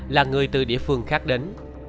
là người từ địa phương khác đến